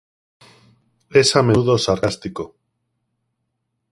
Es a menudo sarcástico.